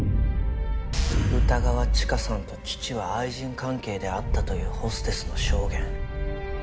歌川チカさんと父は愛人関係であったというホステスの証言。